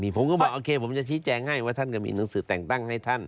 ผมก็บอกโอเคผมจะชี้แจงให้ว่าท่านก็มีหนังสือแต่งตั้งให้ท่าน